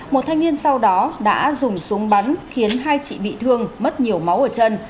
một thanh niên sau đó đã dùng súng bắn khiến hai chị bị thương mất nhiều máu ở chân